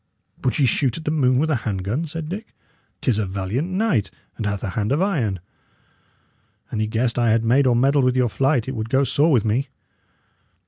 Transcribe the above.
"Would ye shoot at the moon with a hand gun?" said Dick. "'Tis a valiant knight, and hath a hand of iron. An he guessed I had made or meddled with your flight, it would go sore with me."